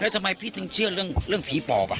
แล้วทำไมพี่ถึงเชื่อเรื่องเรื่องผีปอบอ่ะ